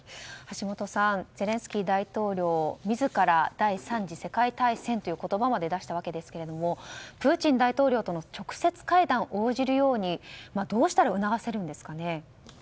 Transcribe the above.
橋下さんゼレンスキー大統領自ら第３次世界大戦という言葉まで出だしたわけですがプーチン大統領との直接会談に応じるようにどうしたら促せるんですかね。